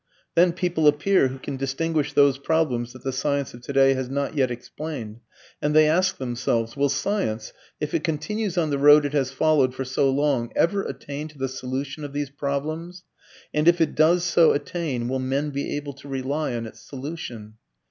Then people appear who can distinguish those problems that the science of today has not yet explained. And they ask themselves: "Will science, if it continues on the road it has followed for so long, ever attain to the solution of these problems? And if it does so attain, will men be able to rely on its solution?"